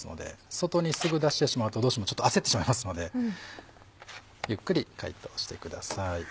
外にすぐ出してしまうとどうしてもちょっと焦ってしまいますのでゆっくり解凍してください。